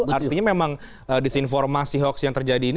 artinya memang disinformasi hoax yang terjadi ini